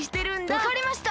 わかりました！